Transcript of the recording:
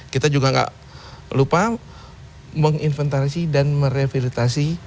kita juga enggak lupa menginventarisasi dan merevitalisasi